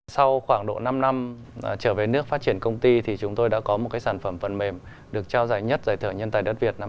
sau khoảng độ năm năm trở về nước phát triển công ty thì chúng tôi đã có một cái sản phẩm phần mềm được trao giải nhất giải thưởng nhân tài đất việt năm hai nghìn một mươi sáu